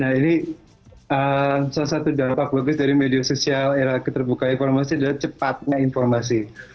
nah ini salah satu dampak logis dari media sosial era keterbukaan informasi adalah cepatnya informasi